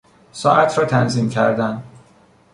ساعت را تنظیم کردن